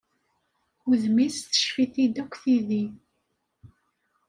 Udem-is teccef-it-id akk tidi.